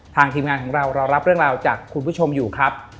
ทีมงานของเราเรารับเรื่องราวจากคุณผู้ชมอยู่ครับ